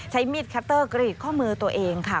ใช้มีดคัตเตอร์กรีดข้อมือตัวเองค่ะ